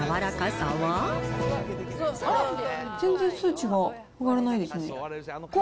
おっ、全然数値が上がらないですね。